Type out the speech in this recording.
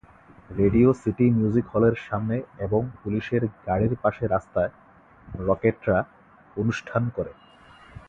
Radio city music হলের সামনে এবং পুলিশের গাড়ির পাশে রাস্তায় রকেটেটরা অনুষ্ঠান করে।